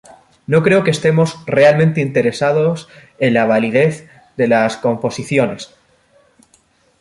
No creo que estemos realmente interesados en la validez de las composiciones.